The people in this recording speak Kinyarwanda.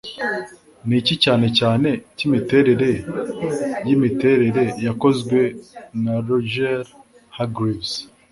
Niki Cyane Cyane Cyimiterere Yimiterere Yakozwe na Roger Hargreaves